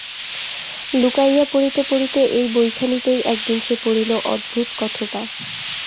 লুকাইয়া পড়িতে পড়িতে এই বইখানিতেই একদিন সে পড়িল বড় অদ্ভুত কথোটা!